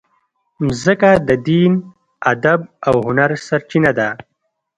مځکه د دین، ادب او هنر سرچینه ده.